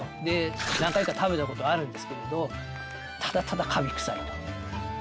で何回か食べたことあるんですけれどただただかび臭いと。